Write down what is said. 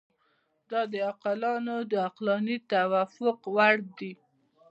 دا د عاقلانو د عقلاني توافق وړ دي.